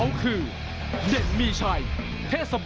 นักมวยจอมคำหวังเว่เลยนะครับ